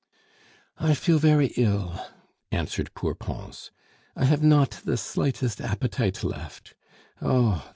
"I feel very ill," answered poor Pons. "I have not the slightest appetite left.